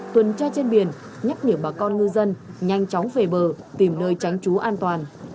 tuần tra trên biển nhắc nhở bà con ngư dân nhanh chóng về bờ tìm nơi tránh trú an toàn